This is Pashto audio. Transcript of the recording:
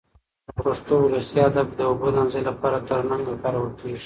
په پښتو ولسي ادب کې د اوبو د اندازې لپاره ترنګ کارول کېږي.